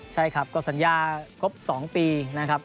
ใช่ครับก็สัญญาครบ๒ปีนะครับ